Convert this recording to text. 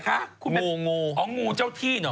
ปลาหมึกแท้เต่าทองอร่อยทั้งชนิดเส้นบดเต็มตัว